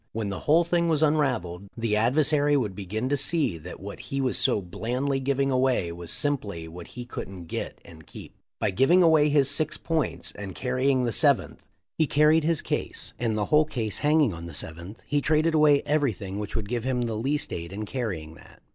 When the whole thing was unravelled, the adversary would begin to see that what he was so blandly giving away was simply what he couldn't get and keep. By giving away six points and carrying the seventh he carried his case, and the whole case hanging on the seventh, he traded away everything which would give him the least aid in carrying that.